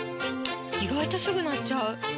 意外とすぐ鳴っちゃう！